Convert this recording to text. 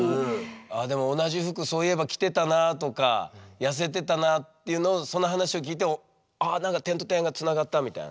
でも同じ服そういえば着てたなあとか痩せてたなあっていうのをその話を聞いてあ何か点と点がつながったみたいな？